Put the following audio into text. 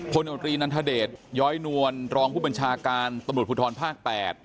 พรธย้อยนวลรองค์ผู้บัญชาการตำรวจพุทธรภาค๘